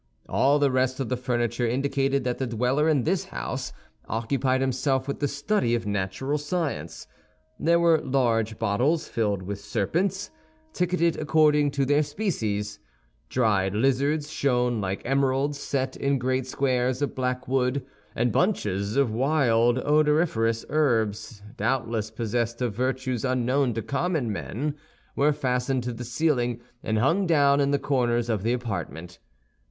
All the rest of the furniture indicated that the dweller in this house occupied himself with the study of natural science. There were large bottles filled with serpents, ticketed according to their species; dried lizards shone like emeralds set in great squares of black wood, and bunches of wild odoriferous herbs, doubtless possessed of virtues unknown to common men, were fastened to the ceiling and hung down in the corners of the apartment.